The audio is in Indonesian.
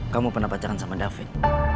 kamu pernah pacaran sama davin